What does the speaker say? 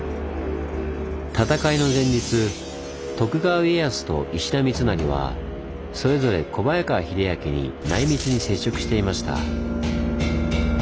戦いの前日徳川家康と石田三成はそれぞれ小早川秀秋に内密に接触していました。